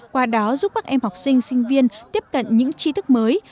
qua đó giúp các em học sinh sinh viên tiếp cận những chi thức mới